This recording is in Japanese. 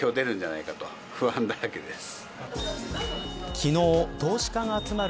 昨日、投資家が集まる